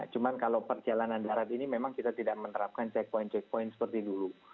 cuma kalau perjalanan darat ini memang kita tidak menerapkan checkpoint checkpoint seperti dulu